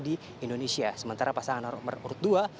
di indonesia sementara pasangan nomor urut dua